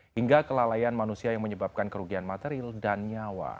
hingga kelalaian manusia yang menyebabkan kerugian material dan nyawa